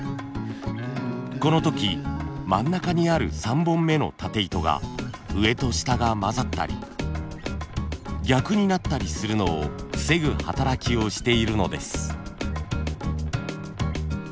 この時真ん中にある３本目のたて糸が上と下が混ざったり逆になったりするのを防ぐ働きをしているのです。